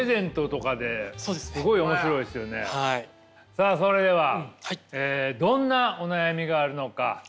さあそれではどんなお悩みがあるのか。